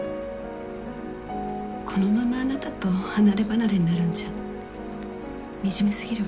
このままあなたと離れ離れになるんじゃ惨めすぎるわ。